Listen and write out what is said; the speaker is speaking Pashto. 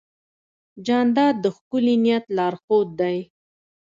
جانداد د ښکلي نیت لارښود دی.